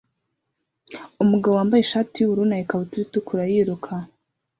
Umugabo wambaye ishati yubururu na ikabutura itukura yiruka